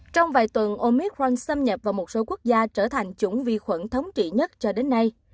trong vài tuần omitralk xâm nhập vào một số quốc gia trở thành chủng vi khuẩn thống trị nhất cho đến nay